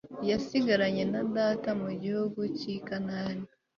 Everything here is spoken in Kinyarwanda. yasigaranye na data mu gihugu cy' i kanani